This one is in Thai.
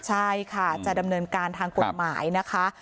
ใช่ค่ะจะดำเนินการทางกฎหมายนะคะ